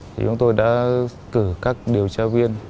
chúng tôi đã cử các điều tra viên